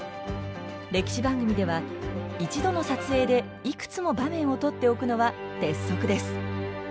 歴史番組では一度の撮影でいくつも場面を撮っておくのは鉄則です。